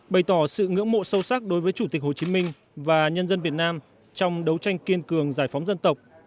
bày tỏ sự ngưỡng mộ sâu sắc đối với chủ tịch hồ chí minh và nhân dân việt nam trong đấu tranh kiên cường giải phóng dân tộc